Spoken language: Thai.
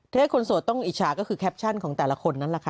ถ้าให้คนโสดต้องอิจฉาก็คือแคปชั่นของแต่ละคนนั่นแหละค่ะ